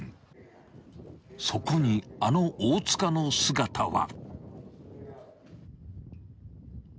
［そこにあの大塚の姿は］